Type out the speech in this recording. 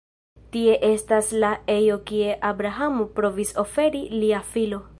Tie estas la ejo kie Abrahamo provis oferi lia filo.